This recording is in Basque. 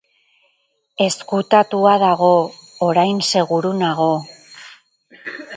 Ezkutatua dago, orain seguru nago.